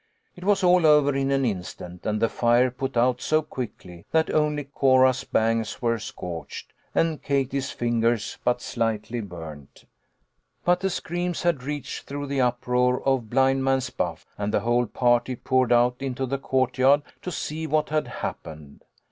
It was all over in an instant, and the fire put out so quickly that only Cora's bangs were scorched, and Katie's fingers but slightly burned. But the screams had reached through the uproar of blind man's buff, and the whole party poured out into the courtyard to see what had happened.